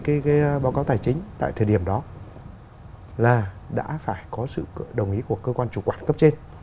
cái báo cáo tài chính tại thời điểm đó là đã phải có sự đồng ý của cơ quan chủ quản cấp trên